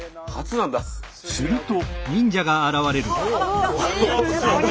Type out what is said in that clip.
すると。